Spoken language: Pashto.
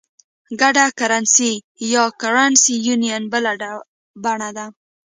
ګډه کرنسي یا Currency Union بله بڼه ده.